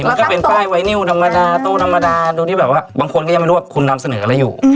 มันก็เป็นป้ายไวนิวธรรมดาโตธรรมดาตัวที่แบบว่าบางคนก็ยังไม่รู้ว่าคุณนำเสนออะไรอยู่